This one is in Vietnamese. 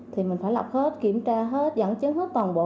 thì mình phải lọc hết kiểm tra hết dẫn chứng hết toàn bộ